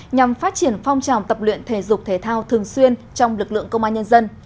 nhằm phát triển phong trào tập luyện thể dục thể thao thường xuyên trong lực lượng công an nhân dân